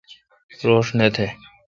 روݭ تہ نہ۔